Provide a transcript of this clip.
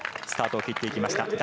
スタートを切っていきました。